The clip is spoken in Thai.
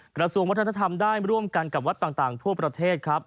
กระทรวงวัฒนธรรมได้ร่วมกันกับวัดต่างทั่วประเทศครับ